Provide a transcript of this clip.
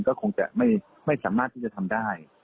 ก็คงจะไม่สามารถที่จะทำได้